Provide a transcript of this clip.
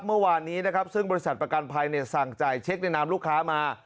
เมื่อวานนี้นะครับซึ่งบริษัทประกันภัยสั่งจ่ายเช็คในนามลูกค้ามา